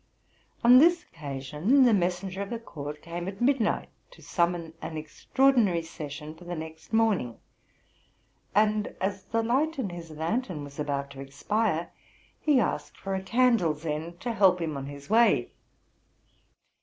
On this occasion, the messenger of the court came at midnight to summon an extraordinary session for the next morning ; and, as the light in his lantern was about to expire, he asked for a candle's end to help him on his way.